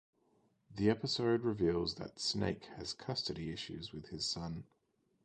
The episode reveals that Snake has custody issues with his son.